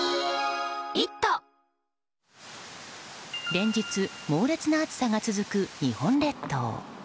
連日、猛烈な暑さが続く日本列島。